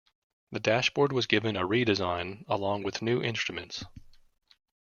The dashboard was given a redesign along with new instruments.